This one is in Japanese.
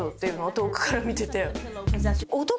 遠くから見てて。